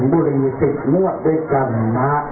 สวัสดีครับสวัสดีครับ